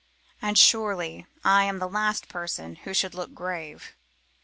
And surely I am the last person who should look grave.